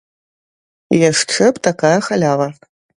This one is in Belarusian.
Яшчэ б такая халява!